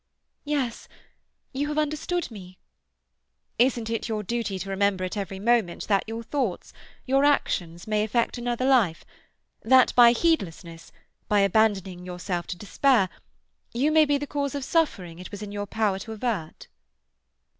"Yes—you have understood me—" "Isn't it your duty to remember at every moment that your thoughts, your actions, may affect another life—that by heedlessness, by abandoning yourself to despair, you may be the cause of suffering it was in your power to avert?"